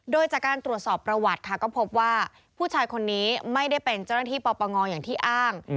โดยจากการตรวจสอบประวัติค่ะก็พบว่าผู้ชายคนนี้ไม่ได้เป็นเจ้าหน้าที่ปปงอย่างที่อ้าง